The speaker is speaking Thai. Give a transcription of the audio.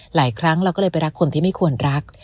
หลายครั้งเราก็เลยไปรักคนที่ไม่ควรรัก